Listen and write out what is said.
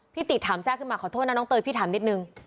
ติถามแทรกขึ้นมาขอโทษนะน้องเตยพี่ถามนิดนึง